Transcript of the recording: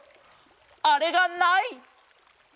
あれがない！